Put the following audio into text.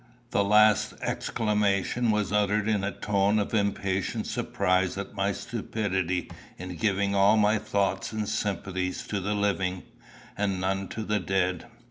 The last exclamation was uttered in a tone of impatient surprise at my stupidity in giving all my thoughts and sympathies to the living, and none to the dead.